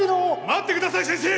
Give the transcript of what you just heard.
待ってください先生！